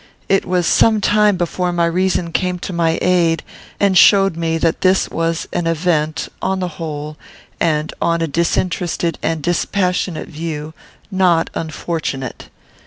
It was some time before my reason came to my aid, and showed me that this was an event, on the whole, and on a disinterested and dispassionate view, not unfortunate.